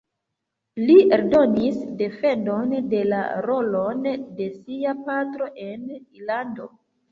Li eldonis defendon de la rolon de sia patro en Irlando.